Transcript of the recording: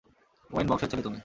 When বংশের ছেলে তুমি।